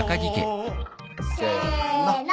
せの。